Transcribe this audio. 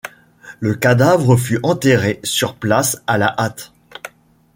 Le cadavre fut enterré sur place à la hâte.